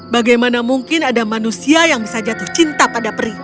bagaimana mungkin ada manusia yang bisa jatuh cinta pada peri